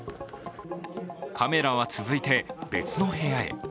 カメラは続いて別の部屋へ。